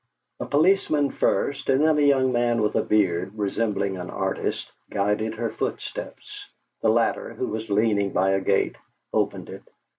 A policeman first, and then a young man with a beard, resembling an artist, guided her footsteps. The latter, who was leaning by a gate, opened it.